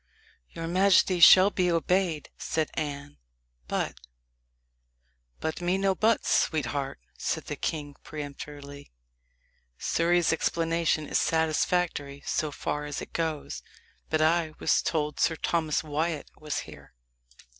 "Your majesty shall be obeyed," said Anne; "but " "But me no buts, sweetheart," said the king peremptorily. "Surrey's explanation is satisfactory so far as it goes, but I was told Sir Thomas Wyat was here."